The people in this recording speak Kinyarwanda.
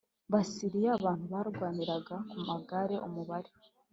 Basiriya abantu barwaniraga ku magare umubare